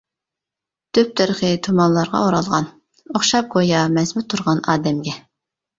دۈپ دەرىخى تۇمانلارغا ئورالغان، ئوخشاپ گويا مەزمۇت تۇرغان ئادەمگە.